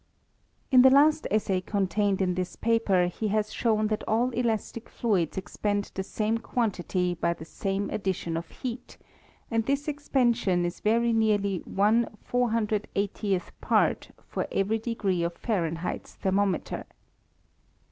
In the last essay contained in this paper he has shown that all elastic fluids expand the same quan tity by the same addition of heat, and this expansion is Tery nearly 1 480th part for every degree of Fahren heit's thermometer.